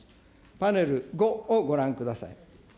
パネル５をご覧ください。